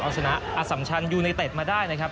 เอาชนะอสัมชันยูไนเต็ดมาได้นะครับ